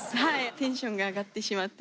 テンションが上がってしまって。